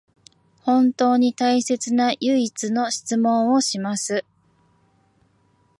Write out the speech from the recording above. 本当に大切な唯一の質問をします